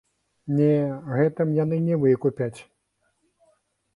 Не, гэтым яны не выкупяць.